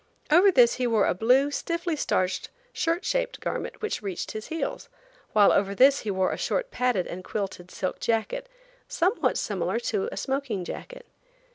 Over this he wore a blue, stiffly starched shirt shaped garment, which reached his heels, while over this he wore a short padded and quilted silk jacket, somewhat similar to a smoking jacket.